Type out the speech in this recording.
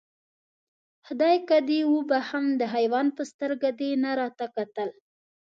خدایکه دې وبښم، د حیوان په سترګه دې نه راته کتل.